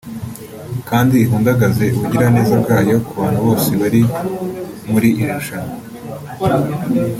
kandi ihundagaze ubugiraneza bwayo ku bana bose bari muri iri rushanwa